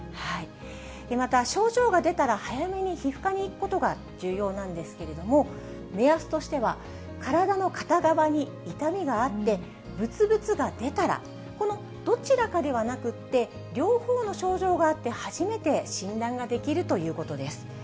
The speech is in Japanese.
また、症状が出たら、早めに皮膚科に行くことが重要なんですけれども、目安としては体の片側に痛みがあって、ぶつぶつが出たら、このどちらかではなくって、両方の症状があって初めて診断ができるということです。